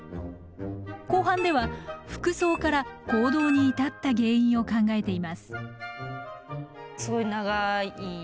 後半では服装から行動に至った原因を考えています。